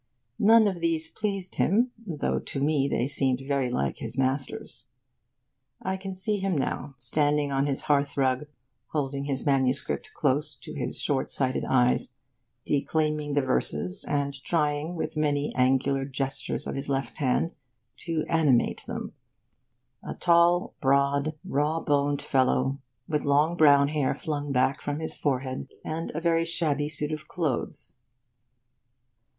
None of these pleased him, though to me they seemed very like his master's. I can see him now, standing on his hearth rug, holding his MS. close to his short sighted eyes, declaiming the verses and trying, with many angular gestures of his left hand, to animate them a tall, broad, raw boned fellow, with long brown hair flung back from his forehead, and a very shabby suit of clothes.